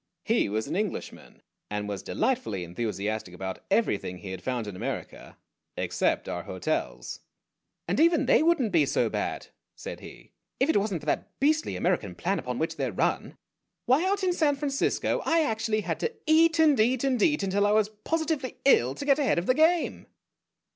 He was an Englishman, and was delightfully enthusiastic about everything he had found in America except our hotels. "And even they wouldn't be so bad," said he, "if it wasn't for that beastly American plan upon which they're run. Why, out in San Francisco I actually had to eat and eat and eat until I was positively ill, to get ahead of the game!"